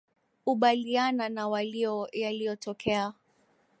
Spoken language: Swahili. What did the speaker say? ubaliana na walio yaliotokea